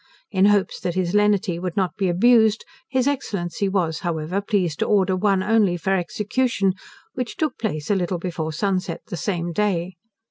In hopes that his lenity would not be abused, his Excellency was, however, pleased to order one only for execution, which took place a little before sun set the same day.